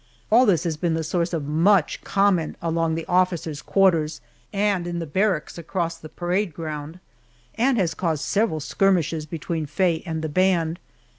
All this has been the source of much comment along the officers' quarters and in the barracks across the parade ground, and has caused several skirmishes between Faye and the band.